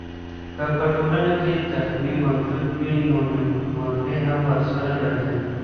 که په ټولنه کي تقوی موجوده وي نو نېکمرغي هم ورسره راځي.